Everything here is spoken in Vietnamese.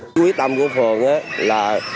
quy tâm của phường là